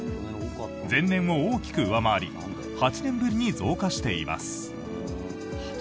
前年を大きく上回り８年ぶりに増加しています。